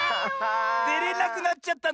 でれなくなっちゃったの？